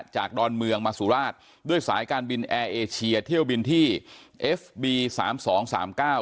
ดอนเมืองมาสุราชด้วยสายการบินแอร์เอเชียเที่ยวบินที่เอฟบีสามสองสามเก้า